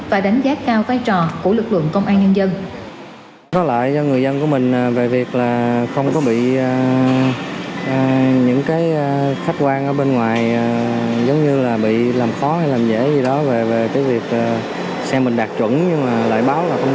và đánh giá cao vai trò của lực lượng công an nhân dân